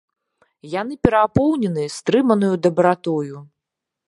Яны перапоўнены стрыманаю дабратою.